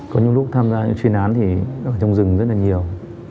có những lúc tham gia những chuyên án thì ở trong rừng rất là nhiều